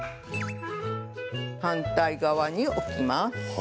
反対側に置きます。